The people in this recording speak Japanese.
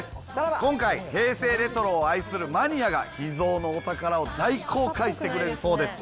今回、平成レトロを愛するマニアが、秘蔵のお宝を大公開してくれるそうです。